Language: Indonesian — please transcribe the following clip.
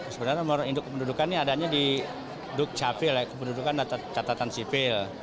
sebenarnya nomor induk kependudukan ini adanya di dukcavil ya kependudukan dan catatan sipil